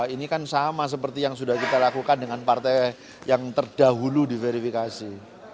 ini kan sama seperti yang sudah kita lakukan dengan partai yang terdahulu diverifikasi